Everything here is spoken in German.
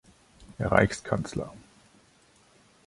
Reichskanzler.